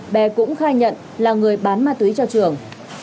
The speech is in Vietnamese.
bé cũng khai nhận là người bán ma túy cho trường